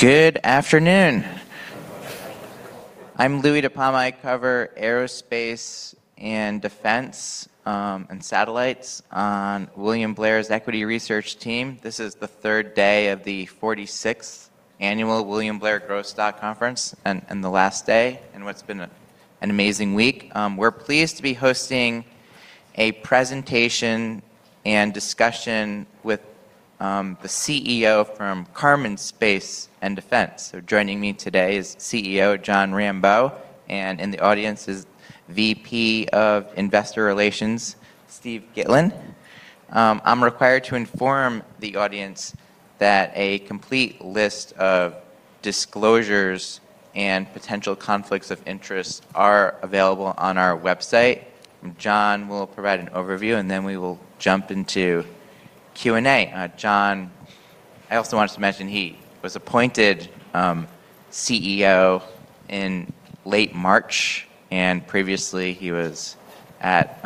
Good afternoon. I'm Louie DiPalma. I cover aerospace and defense, and satellites on William Blair's equity research team. This is the third day of the 46th Annual William Blair Growth Stock Conference, and the last day in what's been an amazing week. We're pleased to be hosting a presentation and discussion with the CEO from Karman Space & Defense. Joining me today is CEO Jon Rambeau, and in the audience is VP of Investor Relations, Steven Gitlin. I'm required to inform the audience that a complete list of disclosures and potential conflicts of interest are available on our website. Jon will provide an overview, and then we will jump into Q&A. Jon, I also wanted to mention he was appointed CEO in late March, and previously he was at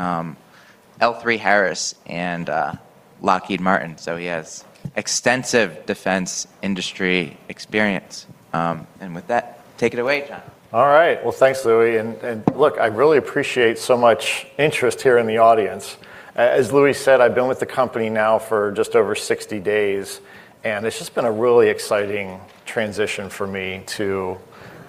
L3Harris and Lockheed Martin, so he has extensive defense industry experience. With that, take it away, Jon. All right. Well, thanks, Louie. Look, I really appreciate so much interest here in the audience. As Louie said, I've been with the company now for just over 60 days, and it's just been a really exciting transition for me to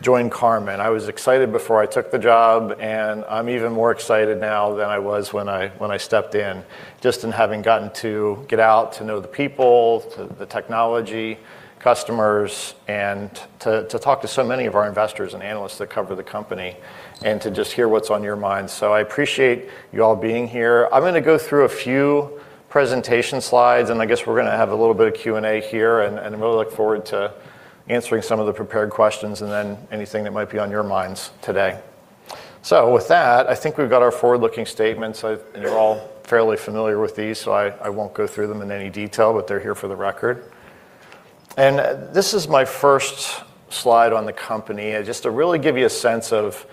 join Karman. I was excited before I took the job, and I'm even more excited now than I was when I stepped in, just in having gotten to get out to know the people, to the technology, customers, and to talk to so many of our investors and analysts that cover the company, and to just hear what's on your minds. I appreciate you all being here. I'm going to go through a few presentation slides. I guess we're going to have a little bit of Q&A here. I'm really look forward to answering some of the prepared questions, then anything that might be on your minds today. With that, I think we've got our forward-looking statements. You're all fairly familiar with these, I won't go through them in any detail, they're here for the record. This is my first slide on the company, just to really give you a sense of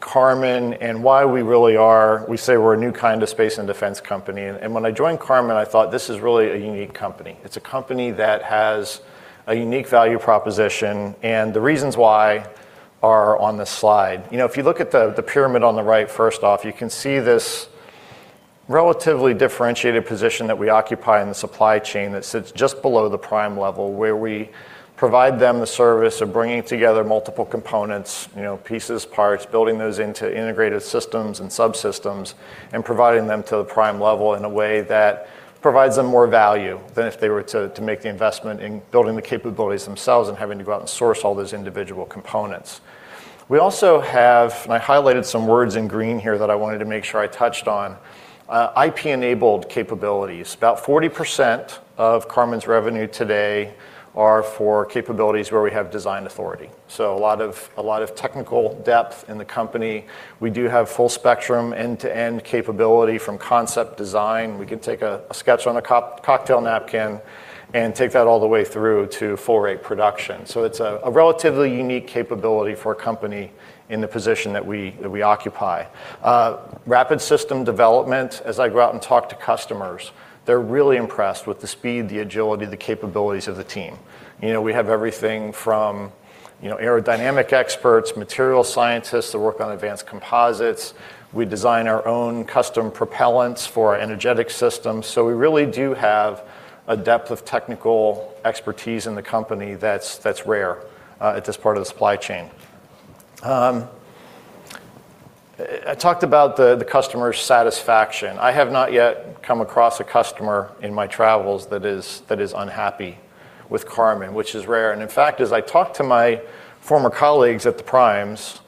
Karman and why we say we're a new kind of space and defense company. When I joined Karman, I thought, "This is really a unique company." It's a company that has a unique value proposition, the reasons why are on this slide. If you look at the pyramid on the right, first off, you can see this relatively differentiated position that we occupy in the supply chain that sits just below the prime level, where we provide them the service of bringing together multiple components, pieces, parts, building those into integrated systems and subsystems, and providing them to the prime level in a way that provides them more value than if they were to make the investment in building the capabilities themselves and having to go out and source all those individual components. We also have, and I highlighted some words in green here that I wanted to make sure I touched on, IP-enabled capabilities. About 40% of Karman's revenue today are for capabilities where we have design authority. A lot of technical depth in the company. We do have full-spectrum, end-to-end capability from concept design. We can take a sketch on a cocktail napkin and take that all the way through to full rate production. It's a relatively unique capability for a company in the position that we occupy. Rapid system development. As I go out and talk to customers, they're really impressed with the speed, the agility, the capabilities of the team. We have everything from aerodynamic experts, material scientists that work on advanced composites. We design our own custom propellants for our energetic systems. We really do have a depth of technical expertise in the company that's rare at this part of the supply chain. I talked about the customer satisfaction. I have not yet come across a customer in my travels that is unhappy with Karman, which is rare. In fact, as I talk to my former colleagues at the primes,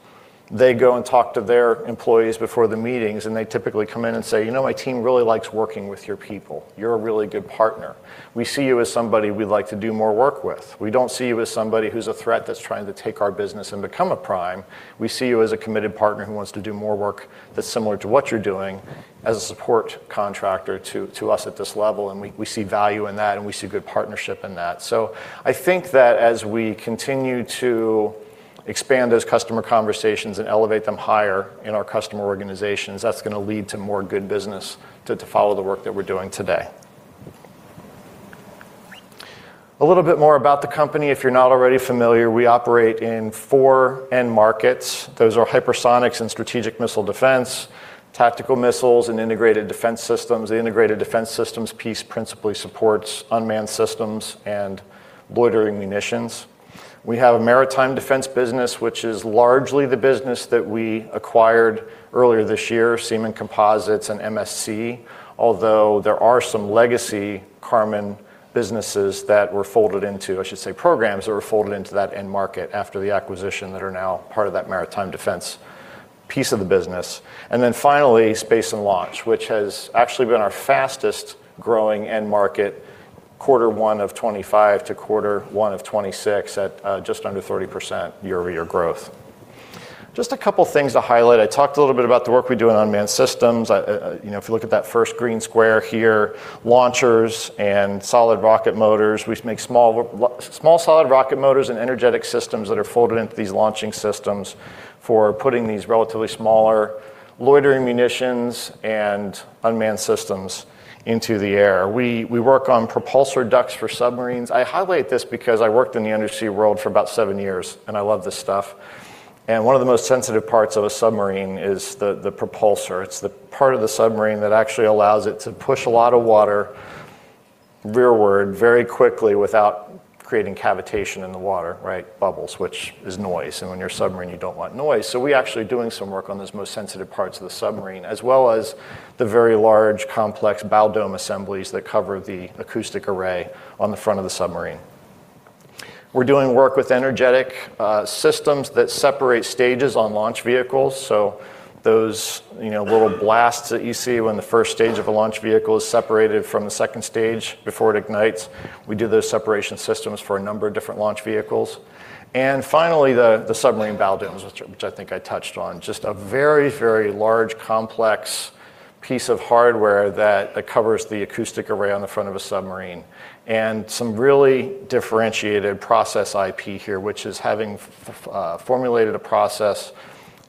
they go and talk to their employees before the meetings, and they typically come in and say, "You know, my team really likes working with your people. You're a really good partner. We see you as somebody we'd like to do more work with. We don't see you as somebody who's a threat that's trying to take our business and become a prime. We see you as a committed partner who wants to do more work that's similar to what you're doing as a support contractor to us at this level, and we see value in that, and we see good partnership in that." I think that as we continue to expand those customer conversations and elevate them higher in our customer organizations, that's going to lead to more good business to follow the work that we're doing today. A little bit more about the company. If you're not already familiar, we operate in four end markets. Those are hypersonics and strategic missile defense, tactical missiles, and integrated defense systems. The integrated defense systems piece principally supports unmanned systems and loitering munitions. We have a maritime defense business, which is largely the business that we acquired earlier this year, Seemann Composites and MSC, although there are some legacy Karman businesses that were folded into, I should say, programs that were folded into that end market after the acquisition that are now part of that maritime defense piece of the business. Finally, space and launch, which has actually been our fastest-growing end market quarter one of 2025 to quarter one of 2026 at just under 30% year-over-year growth. Just a couple things to highlight. I talked a little bit about the work we do in unmanned systems. If you look at that first green square here, launchers and solid rocket motors. We make small solid rocket motors and energetic systems that are folded into these launching systems for putting these relatively smaller loitering munitions and unmanned systems into the air. We work on propulsor ducts for submarines. I highlight this because I worked in the undersea world for about seven years, and I love this stuff. One of the most sensitive parts of a submarine is the propulsor. It's the part of the submarine that actually allows it to push a lot of water rearward very quickly without creating cavitation in the water, bubbles, which is noise. When you're a submarine, you don't want noise. We're actually doing some work on those most sensitive parts of the submarine, as well as the very large, complex bow dome assemblies that cover the acoustic array on the front of the submarine. We're doing work with energetic systems that separate stages on launch vehicles. Those little blasts that you see when the first stage of a launch vehicle is separated from the second stage before it ignites, we do those separation systems for a number of different launch vehicles. Finally, the submarine bow domes, which I think I touched on. Just a very, very large, complex piece of hardware that covers the acoustic array on the front of a submarine. Some really differentiated process IP here, which is having formulated a process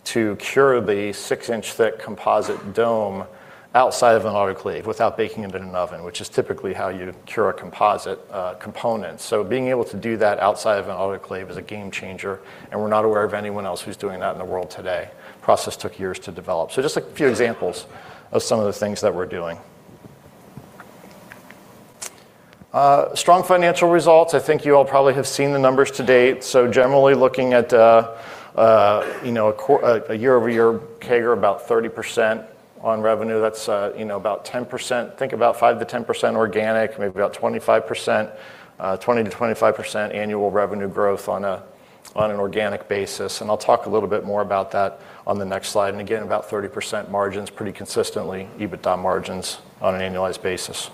to cure the six-inch-thick composite dome outside of an autoclave without baking it in an oven, which is typically how you cure a composite component. Being able to do that outside of an autoclave is a game changer, and we're not aware of anyone else who's doing that in the world today. Process took years to develop. Just a few examples of some of the things that we're doing. Strong financial results. I think you all probably have seen the numbers to date. Generally looking at a year-over-year CAGR about 30% on revenue. That's about 10%. Think about 5% to 10% organic, maybe about 20% to 25% annual revenue growth on an organic basis. I'll talk a little bit more about that on the next slide. Again, about 30% margins pretty consistently, EBITDA margins on an annualized basis.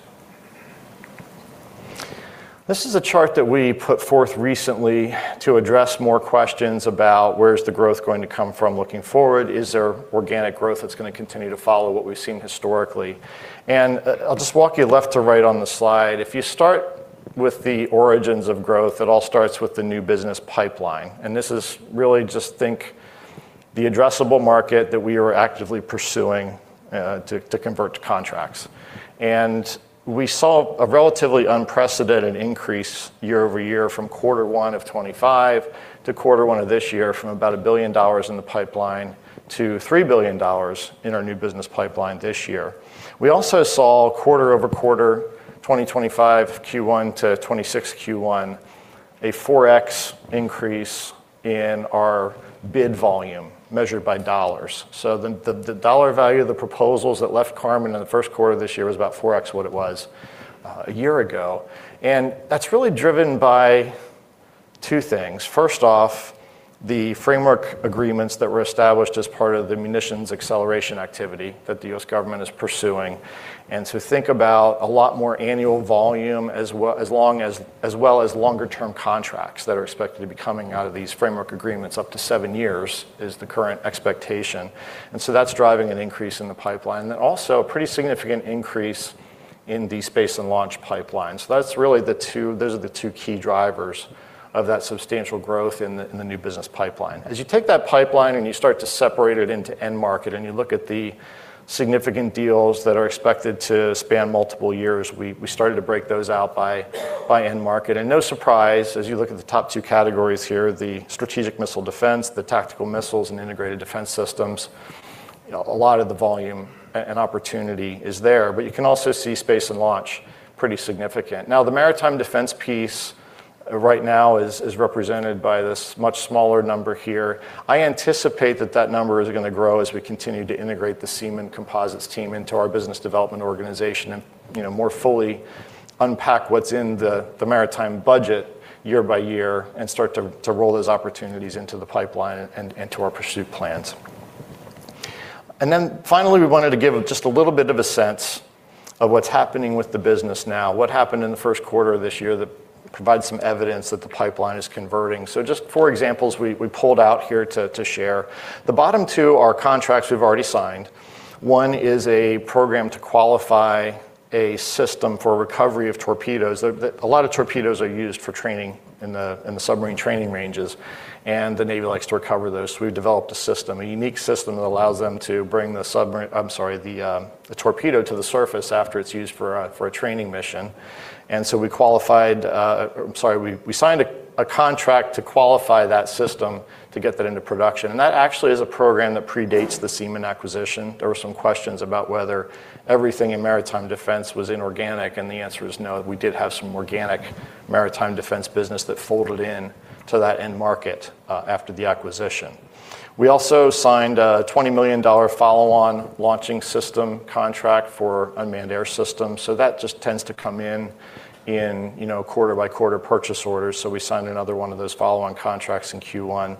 This is a chart that we put forth recently to address more questions about where's the growth going to come from looking forward. Is there organic growth that's going to continue to follow what we've seen historically? I'll just walk you left to right on the slide. If you start with the origins of growth, it all starts with the new business pipeline. This is really just, think, the addressable market that we are actively pursuing to convert to contracts. We saw a relatively unprecedented increase year-over-year from quarter one of 2025 to quarter one of 2026, from about $1 billion in the pipeline to $3 billion in our new business pipeline this year. We also saw quarter-over-quarter 2025 Q1 to 2026 Q1, a 4x increase in our bid volume measured by dollars. The dollar value of the proposals that left Karman in the first quarter of 2026 was about 4x what it was a year ago. That's really driven by two things. First off, the framework agreements that were established as part of the munitions acceleration activity that the U.S. government is pursuing. Think about a lot more annual volume, as well as longer-term contracts that are expected to be coming out of these framework agreements. Up to seven years is the current expectation. That's driving an increase in the pipeline. Also, a pretty significant increase in the space and launch pipeline. Those are the two key drivers of that substantial growth in the new business pipeline. As you take that pipeline and you start to separate it into end market, and you look at the significant deals that are expected to span multiple years, we started to break those out by end market. No surprise, as you look at the top two categories here, the strategic missile defense, the tactical missiles, and integrated defense systems, a lot of the volume and opportunity is there. You can also see space and launch pretty significant. The maritime defense piece right now is represented by this much smaller number here. I anticipate that that number is going to grow as we continue to integrate the Seemann Composites team into our business development organization and more fully unpack what's in the maritime budget year by year and start to roll those opportunities into the pipeline and into our pursuit plans. Finally, we wanted to give just a little bit of a sense of what's happening with the business now, what happened in the first quarter of this year that provides some evidence that the pipeline is converting. Just four examples we pulled out here to share. The bottom two are contracts we've already signed. One is a program to qualify a system for recovery of torpedoes. A lot of torpedoes are used for training in the submarine training ranges, and the Navy likes to recover those. We've developed a system, a unique system that allows them to bring the torpedo to the surface after it's used for a training mission. We signed a contract to qualify that system to get that into production. That is a program that predates the Seemann acquisition. There were some questions about whether everything in maritime defense was inorganic, and the answer is no. We did have some organic maritime defense business that folded into that end market after the acquisition. We also signed a $20 million follow-on launching system contract for unmanned air systems. That tends to come in quarter-by-quarter purchase orders. We signed another one of those follow-on contracts in Q1.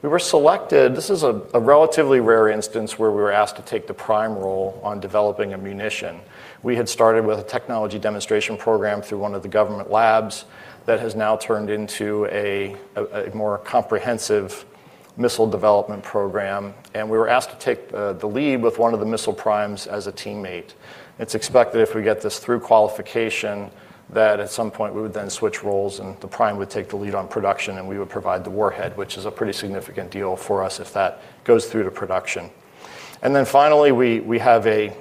We were selected. This is a relatively rare instance where we were asked to take the prime role on developing a munition. We had started with a technology demonstration program through one of the government labs that has now turned into a more comprehensive missile development program. We were asked to take the lead with one of the missile primes as a teammate. It's expected if we get this through qualification that at some point we would then switch roles and the prime would take the lead on production and we would provide the warhead, which is a pretty significant deal for us if that goes through to production. Finally, we have a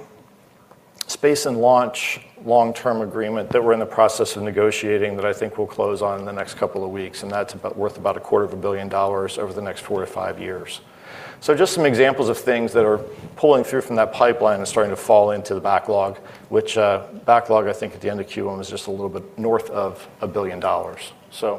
Space and Launch long-term agreement that we're in the process of negotiating, that I think we'll close on in the next couple of weeks, and that's worth about a quarter of a billion dollars over the next four to five years. Just some examples of things that are pulling through from that pipeline and starting to fall into the backlog, which backlog I think at the end of Q1 was just a little bit north of $1 billion.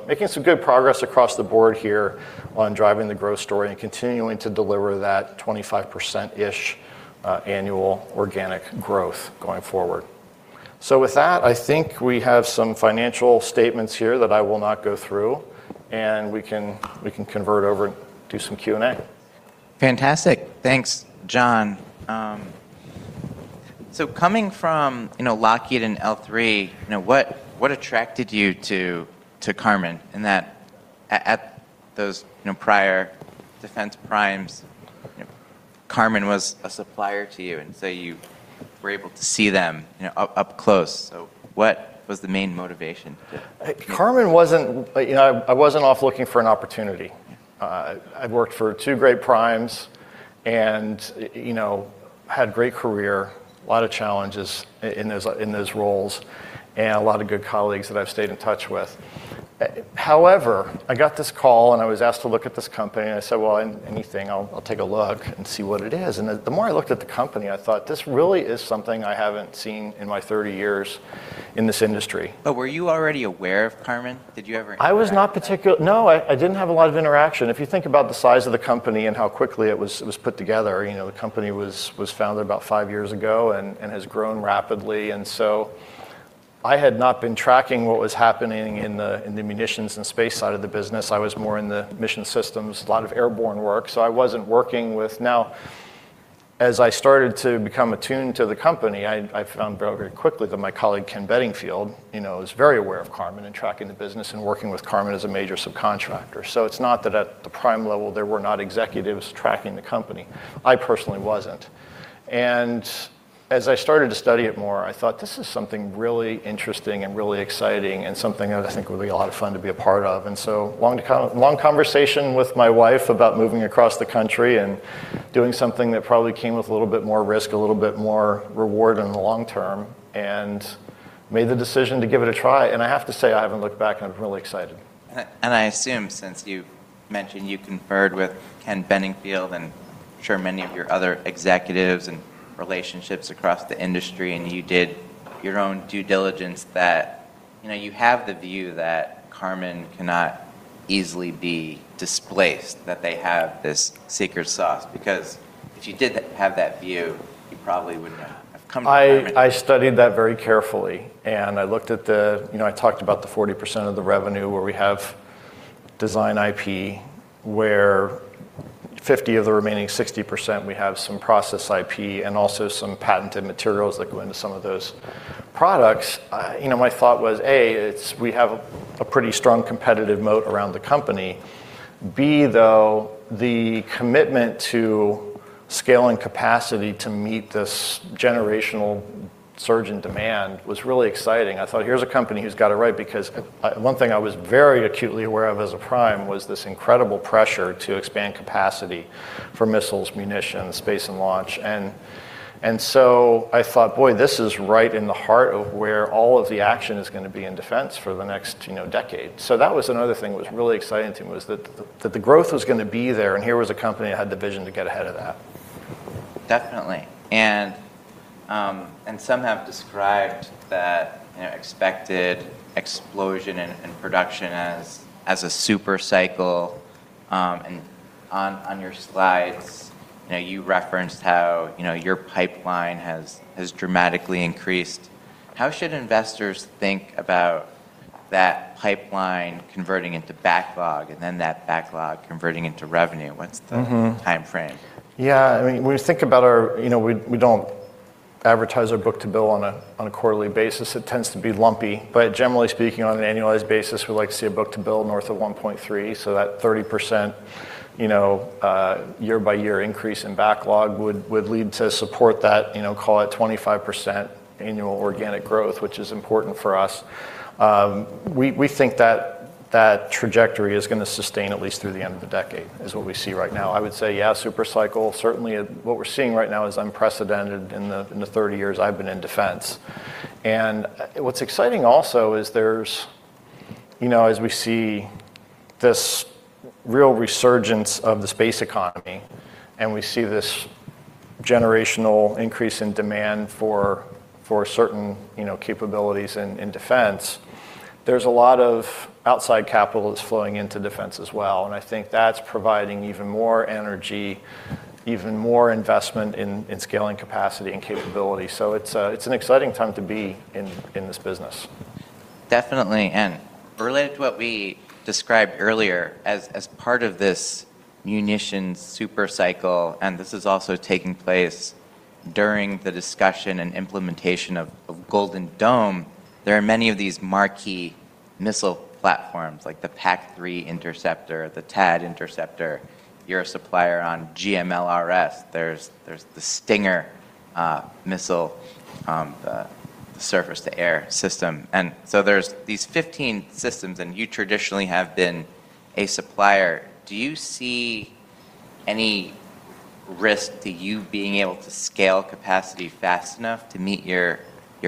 Making some good progress across the board here on driving the growth story and continuing to deliver that 25%-ish annual organic growth going forward. With that, I think we have some financial statements here that I will not go through, and we can convert over and do some Q&A. Fantastic. Thanks, Jon. Coming from Lockheed and L3, what attracted you to Karman in that at those prior defense primes, Karman was a supplier to you, and so you were able to see them up close. What was the main motivation to make? Karman, I wasn't off looking for an opportunity. I'd worked for two great primes and had a great career, a lot of challenges in those roles and a lot of good colleagues that I've stayed in touch with. I got this call, I was asked to look at this company, I said, "Well, anything, I'll take a look and see what it is." The more I looked at the company, I thought, "This really is something I haven't seen in my 30 years in this industry. Were you already aware of Karman? Did you ever interact? No, I didn't have a lot of interaction. If you think about the size of the company and how quickly it was put together, the company was founded about five years ago and has grown rapidly. I had not been tracking what was happening in the munitions and space side of the business. I was more in the mission systems, a lot of airborne work. Now, as I started to become attuned to the company, I found out very quickly that my colleague, Kenneth Bedingfield, is very aware of Karman and tracking the business and working with Karman as a major subcontractor. It's not that at the prime level, there were not executives tracking the company. I personally wasn't. As I started to study it more, I thought, "This is something really interesting and really exciting and something that I think will be a lot of fun to be a part of." Long conversation with my wife about moving across the country and doing something that probably came with a little bit more risk, a little bit more reward in the long term, and made the decision to give it a try. I have to say, I haven't looked back, and I'm really excited. I assume since you mentioned you conferred with Kenneth Bedingfield and I'm sure many of your other executives and relationships across the industry, and you did your own due diligence that you have the view that Karman cannot easily be displaced, that they have this secret sauce, because if you didn't have that view, you probably wouldn't have come to Karman. I studied that very carefully. I looked at the I talked about the 40% of the revenue where we have design IP, where 50 of the remaining 60%, we have some process IP and also some patented materials that go into some of those products. My thought was, A, we have a pretty strong competitive moat around the company. B, though, the commitment to scaling capacity to meet this generational surge in demand was really exciting. I thought, "Here's a company who's got it right." One thing I was very acutely aware of as a prime was this incredible pressure to expand capacity for missiles, munitions, space, and launch. I thought, "Boy, this is right in the heart of where all of the action is going to be in defense for the next decade." That was another thing that was really exciting to me was that the growth was going to be there, and here was a company that had the vision to get ahead of that. Definitely. Some have described that expected explosion in production as a super cycle. On your slides, you referenced how your pipeline has dramatically increased. How should investors think about that pipeline converting into backlog and then that backlog converting into revenue? Timeframe? We don't advertise our book-to-bill on a quarterly basis. It tends to be lumpy. Generally speaking, on an annualized basis, we like to see a book-to-bill north of 1.3, so that 30% year-by-year increase in backlog would lead to support that, call it 25% annual organic growth, which is important for us. We think that that trajectory is going to sustain at least through the end of the decade, is what we see right now. I would say, super cycle, certainly what we're seeing right now is unprecedented in the 30 years I've been in defense. What's exciting also is as we see this real resurgence of the space economy, and we see this generational increase in demand for certain capabilities in defense, there's a lot of outside capital that's flowing into defense as well, and I think that's providing even more energy, even more investment in scaling capacity and capability. It's an exciting time to be in this business. Definitely. Related to what we described earlier, as part of this munition super cycle, and this is also taking place during the discussion and implementation of Golden Dome, there are many of these marquee missile platforms like the PAC-3 interceptor, the THAAD interceptor. You're a supplier on GMLRS. There's the Stinger missile, the surface-to-air system. There's these 15 systems, and you traditionally have been a supplier. Do you see any risk to you being able to scale capacity fast enough to meet your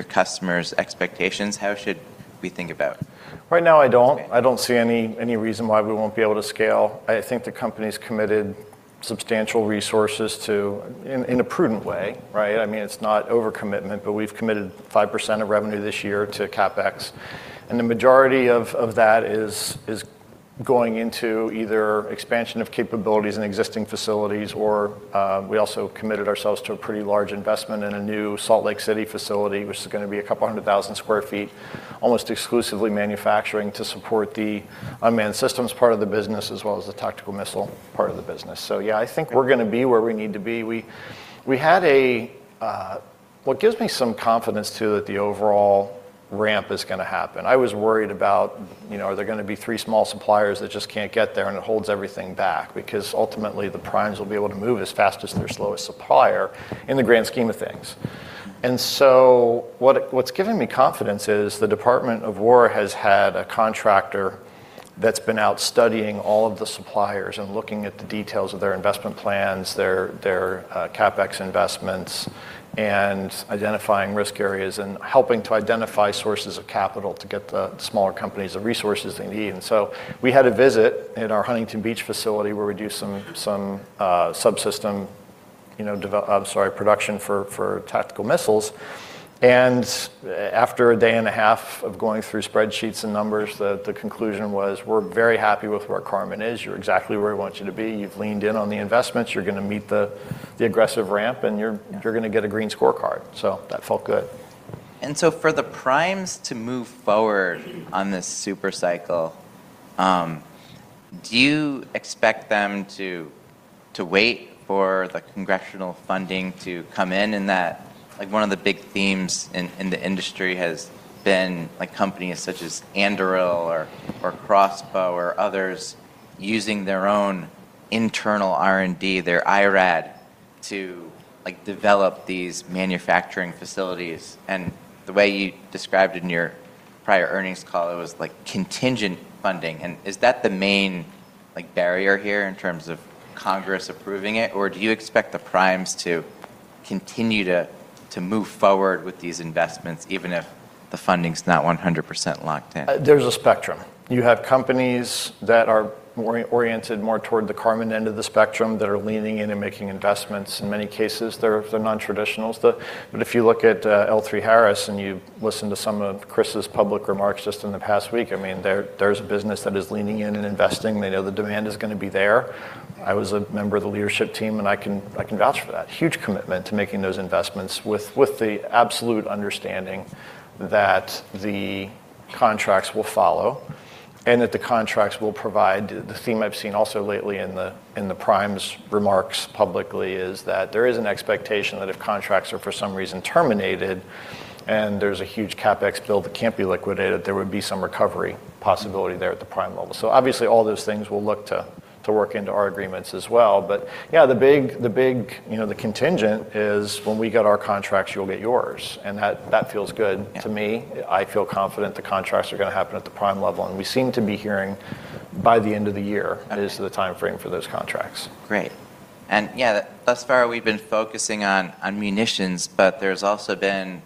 customers' expectations? How should we think about that? Right now, I don't see any reason why we won't be able to scale. I think the company's committed substantial resources in a prudent way. It's not over-commitment, but we've committed 5% of revenue this year to CapEx. The majority of that is going into either expansion of capabilities in existing facilities, or we also committed ourselves to a pretty large investment in a new Salt Lake City facility, which is going to be a couple hundred thousand square feet, almost exclusively manufacturing to support the unmanned systems part of the business as well as the tactical missile part of the business. Yeah, I think we're going to be where we need to be. What gives me some confidence, too, that the overall ramp is going to happen. I was worried about, are there going to be three small suppliers that just can't get there and it holds everything back? Because ultimately, the primes will be able to move as fast as their slowest supplier in the grand scheme of things. What's given me confidence is the Department of War has had a contractor that's been out studying all of the suppliers and looking at the details of their investment plans, their CapEx investments, and identifying risk areas, and helping to identify sources of capital to get the smaller companies the resources they need. We had a visit at our Huntington Beach facility where we do some subsystem, sorry, production for tactical missiles. After a day and a half of going through spreadsheets and numbers, the conclusion was, "We're very happy with where Karman is. You're exactly where we want you to be. You've leaned in on the investments. You're going to meet the aggressive ramp and you're going to get a green scorecard. That felt good. For the primes to move forward on this super cycle, do you expect them to wait for the congressional funding to come in that one of the big themes in the industry has been companies such as Anduril or X-Bow or others using their own internal R&D, their IRAD, to develop these manufacturing facilities. The way you described it in your prior earnings call, it was contingent funding. Is that the main barrier here in terms of Congress approving it? Or do you expect the primes to continue to move forward with these investments even if the funding's not 100% locked in? There's a spectrum. You have companies that are oriented more toward the Karman end of the spectrum that are leaning in and making investments. In many cases, they're non-traditionals. If you look at L3Harris and you listen to some of Chris's public remarks just in the past week, there's a business that is leaning in and investing. They know the demand is going to be there. I was a member of the leadership team, and I can vouch for that. Huge commitment to making those investments with the absolute understanding that the contracts will follow and that the contracts will provide. The theme I've seen also lately in the primes' remarks publicly is that there is an expectation that if contracts are for some reason terminated and there's a huge CapEx bill that can't be liquidated, there would be some recovery possibility there at the prime level. Obviously all those things we'll look to work into our agreements as well. Yeah, the contingent is when we get our contracts, you'll get yours. That feels good to me. I feel confident the contracts are going to happen at the prime level, and we seem to be hearing by the end of the year. that is the timeframe for those contracts. Great. Yeah, thus far we've been focusing on munitions, but there's also been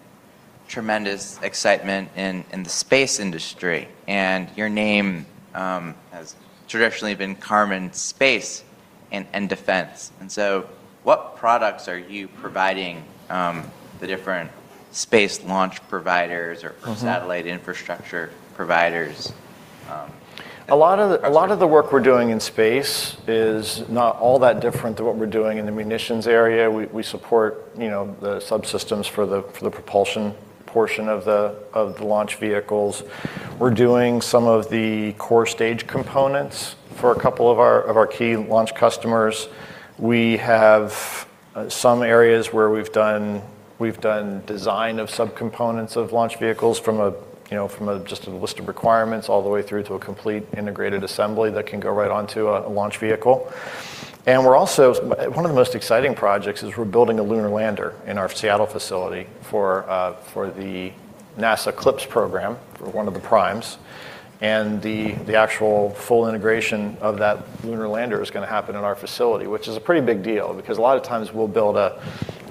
tremendous excitement in the space industry. Your name has traditionally been Karman Space & Defense. So what products are you providing the different space launch providers? Satellite infrastructure providers? A lot of the work we're doing in space is not all that different to what we're doing in the munitions area. We support the subsystems for the propulsion portion of the launch vehicles. We're doing some of the core stage components for a couple of our key launch customers. We have some areas where we've done design of subcomponents of launch vehicles from just a list of requirements all the way through to a complete integrated assembly that can go right onto a launch vehicle. One of the most exciting projects is we're building a lunar lander in our Seattle facility for the NASA CLPS program. We're one of the primes. The actual full integration of that lunar lander is going to happen in our facility, which is a pretty big deal because a lot of times we'll build a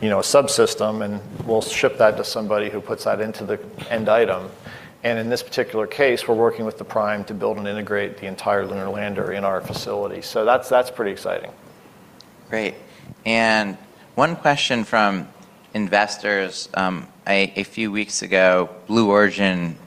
subsystem and we'll ship that to somebody who puts that into the end item. In this particular case, we're working with the prime to build and integrate the entire lunar lander in our facility. That's pretty exciting. Great. One question from investors. A few weeks ago, Blue Origin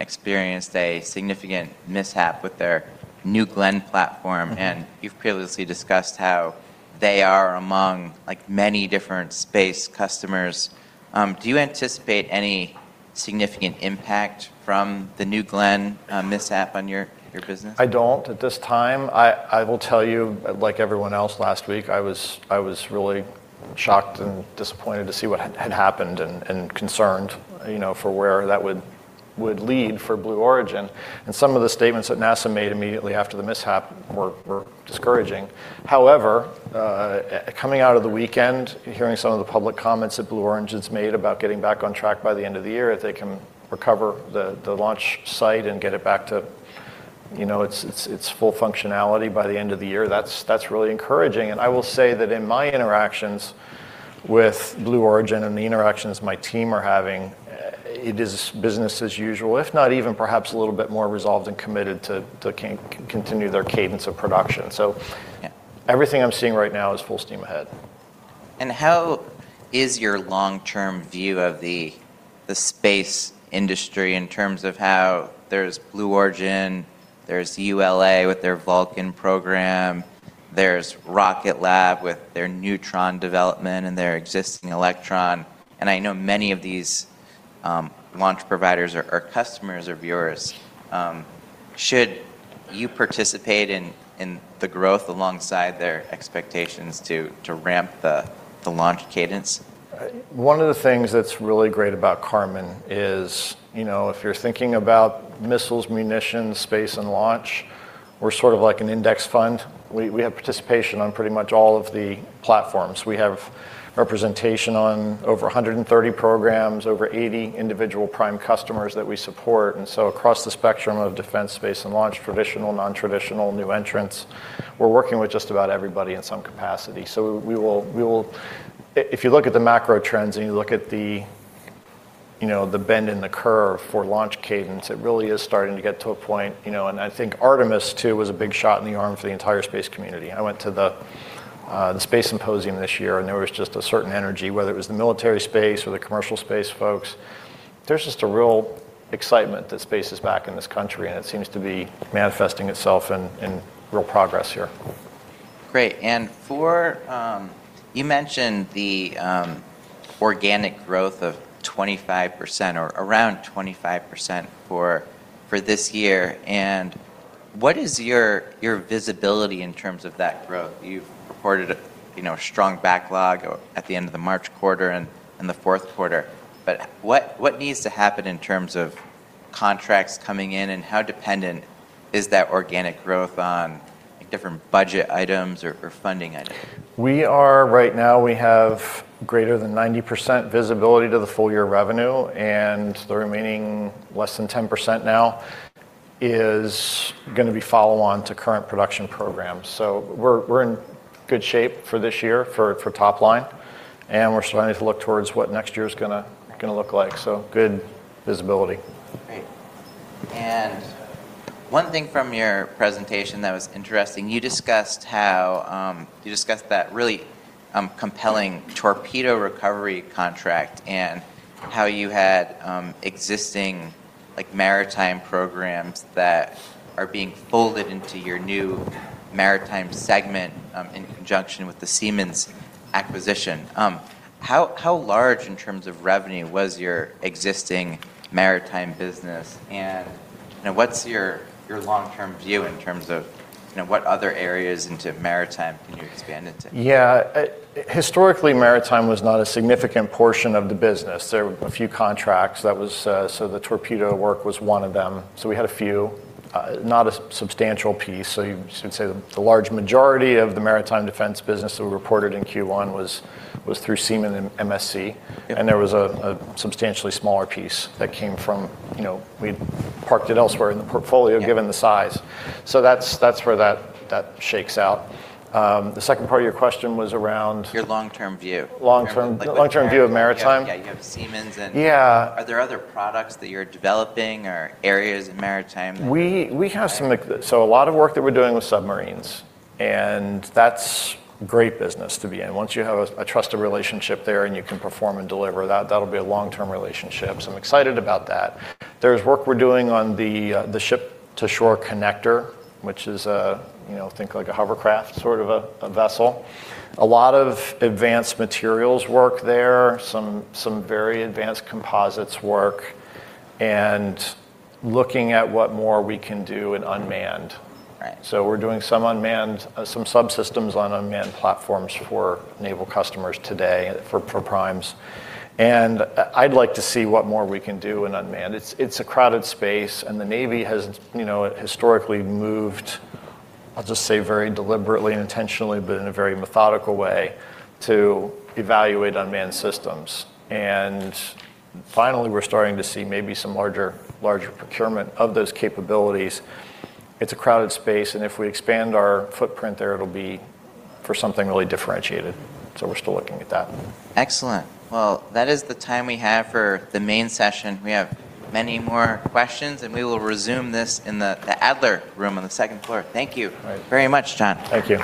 experienced a significant mishap with their New Glenn platform. You've previously discussed how they are among many different space customers. Do you anticipate any significant impact from the New Glenn mishap on your business? I don't at this time. I will tell you, like everyone else last week, I was really shocked and disappointed to see what had happened and concerned for where that would lead for Blue Origin. Some of the statements that NASA made immediately after the mishap were discouraging. However, coming out of the weekend, hearing some of the public comments that Blue Origin's made about getting back on track by the end of the year, if they can recover the launch site and get it back to its full functionality by the end of the year. That's really encouraging, and I will say that in my interactions with Blue Origin and the interactions my team are having, it is business as usual, if not even perhaps a little bit more resolved and committed to continue their cadence of production. Everything I'm seeing right now is full steam ahead. How is your long-term view of the space industry in terms of how there's Blue Origin, there's ULA with their Vulcan program, there's Rocket Lab with their Neutron development and their existing Electron, and I know many of these launch providers are customers of yours. Should you participate in the growth alongside their expectations to ramp the launch cadence? One of the things that's really great about Karman is, if you're thinking about missiles, munitions, space and launch, we're sort of like an index fund. We have participation on pretty much all of the platforms. We have representation on over 130 programs, over 80 individual prime customers that we support, and so across the spectrum of defense, space, and launch, traditional, non-traditional, new entrants, we're working with just about everybody in some capacity. If you look at the macro trends and you look at the bend in the curve for launch cadence, it really is starting to get to a point, and I think Artemis, too, was a big shot in the arm for the entire space community. I went to the Space Symposium this year, and there was just a certain energy, whether it was the military space or the commercial space folks. There's just a real excitement that space is back in this country, and it seems to be manifesting itself in real progress here. Great. You mentioned the organic growth of 25% or around 25% for this year. What is your visibility in terms of that growth? You've reported a strong backlog at the end of the March quarter and the fourth quarter. What needs to happen in terms of contracts coming in? How dependent is that organic growth on different budget items or funding items? Right now, we have greater than 90% visibility to the full-year revenue, and the remaining less than 10% now is going to be follow-on to current production programs. We're in good shape for this year for top line, and we're starting to look towards what next year's going to look like. Good visibility. Great. One thing from your presentation that was interesting, you discussed that really compelling torpedo recovery contract and how you had existing maritime programs that are being folded into your new maritime segment in conjunction with the Seemann acquisition. How large in terms of revenue was your existing maritime business, and what's your long-term view in terms of what other areas into maritime can you expand into? Historically, maritime was not a significant portion of the business. There were a few contracts, the torpedo work was one of them. We had a few, not a substantial piece. You could say the large majority of the maritime defense business that we reported in Q1 was through Seemann and MSC. There was a substantially smaller piece that we'd parked it elsewhere in the portfolio. Yeah given the size. That's where that shakes out. The second part of your question was around? Your long-term view. Long-term view of maritime? Yeah, you have Seemann. Yeah are there other products that you're developing or areas in maritime that- A lot of work that we're doing with submarines, and that's great business to be in. Once you have a trusted relationship there, and you can perform and deliver, that'll be a long-term relationship. I'm excited about that. There's work we're doing on the Ship-to-Shore Connector, which is, think like a hovercraft sort of a vessel. A lot of advanced materials work there, some very advanced composites work, and looking at what more we can do in unmanned. Right. We're doing some subsystems on unmanned platforms for naval customers today for primes. I'd like to see what more we can do in unmanned. It's a crowded space, and the Navy has historically moved, I'll just say very deliberately and intentionally, but in a very methodical way, to evaluate unmanned systems. Finally, we're starting to see maybe some larger procurement of those capabilities. It's a crowded space, and if we expand our footprint there, it'll be for something really differentiated. We're still looking at that. Excellent. Well, that is the time we have for the main session. We have many more questions, and we will resume this in the Adler Room on the second floor. Thank you. All right. very much, Jon. Thank you.